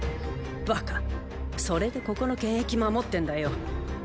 バカそれでここの権益守ってんだよ。